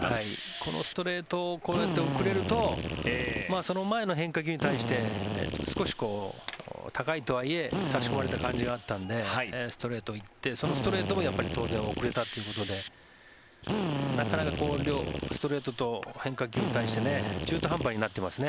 このストレートをこうやって遅れるとその前の変化球に対して少し高いとはいえ差し込まれた感じがあったのでストレートに行ってそのストレートも当然遅れたということでなかなかストレートと変化球に対して中途半端になっていますね。